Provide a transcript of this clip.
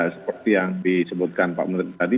seperti yang disebutkan pak murid tadi